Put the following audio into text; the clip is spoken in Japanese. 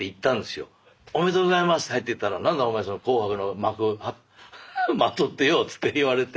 おめでとうございますって入っていったら何だお前その紅白の幕まとってよって言われて。